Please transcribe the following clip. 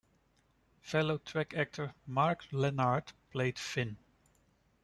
Fellow Trek actor Mark Lenard played Finn.